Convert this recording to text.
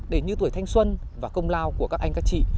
để như tuổi thanh xuân và công lao của các anh các chị